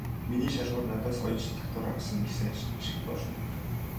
Миний шалгуур надаас оёж татвар авсан" гэсэн шиг болно.